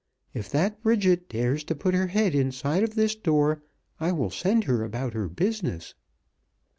If that Bridget dares to put her head inside of this door I will send her about her business."